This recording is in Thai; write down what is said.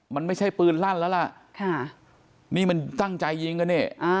มันไม่ใช่ปืนลั่นแล้วล่ะค่ะนี่มันตั้งใจยิงกันเนี่ย